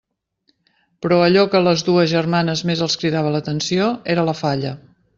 Però allò que a les dues germanes més els cridava l'atenció era la falla.